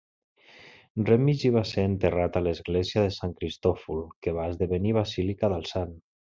Remigi va ser enterrat a l'església de Sant Cristòfol, que va esdevenir basílica del sant.